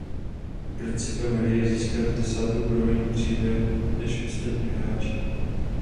Principem hry je získat desátou úroveň dříve než ostatní hráči.